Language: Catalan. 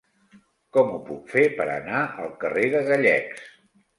Com ho puc fer per anar al carrer de Gallecs?